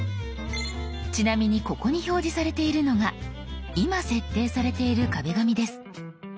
ちなみにここに表示されているのが今設定されている壁紙です。